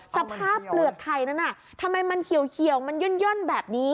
เปลือกไข่นั้นทำไมมันเขียวมันย่อนแบบนี้